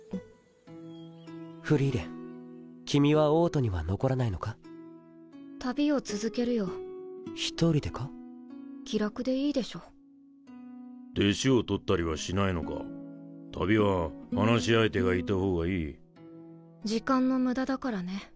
フリーレン君は王都には残気楽でいいでしょ弟子を取ったりはしないの旅は話し相手がいた方がいい時間の無駄だからね